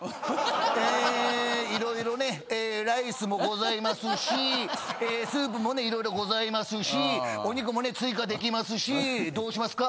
えいろいろねライスもございますしえスープもねいろいろございますしお肉もね追加できますしどうしますか？